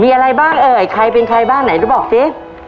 มีอะไรบ้างหรือใครเป็นใครบ้างหนูบอกสิ